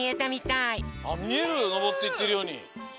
あっみえるのぼっていってるように。